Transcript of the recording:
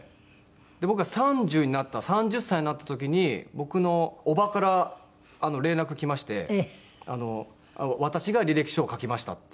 僕が３０になった３０歳になった時に僕のおばから連絡きまして「私が履歴書を書きました」っていう。